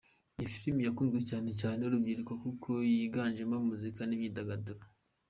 Ni film yakunzwe cyane cyane n’urubyiruko kuko yiganjemo muzika n’imyidagaduro.